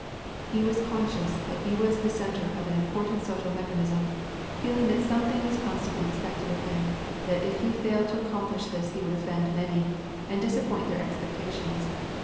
He was conscious that he was the centre of an important social mechanism, felt that something was constantly expected of him, that if he failed to accomplish this he would offend many, and disappoint their expectations.